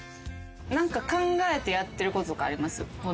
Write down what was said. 何か考えてやってることとかあります？